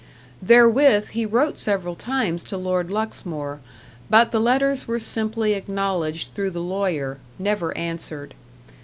Therewith, he wrote several times to Lord Luxmore; but the letters were simply acknowledged through the lawyer: never answered.